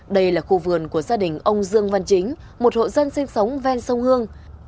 đây là khu vườn của gia đình ông dương văn chính một hộ dân sinh sống ven sông hương